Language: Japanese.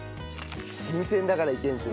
新鮮だからいけるんですよね。